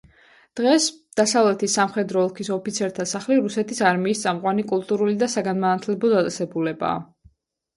დღეს, დასავლეთის სამხედრო ოლქის ოფიცერთა სახლი რუსეთის არმიის წამყვანი კულტურული და საგანმანათლებლო დაწესებულებაა.